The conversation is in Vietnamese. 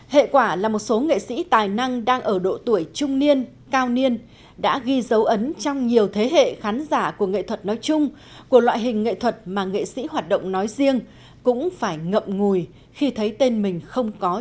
hệ quả là một số nghệ sĩ tài năng đang ở độ tuổi trung niên cao niên đã ghi dấu ấn trong nhiều thế hệ khán giả của nghệ thuật nói chung của loại hình nghệ thuật mà nghệ sĩ hoạt động nói riêng cũng phải ngậm ngùi khi thấy tên mình không có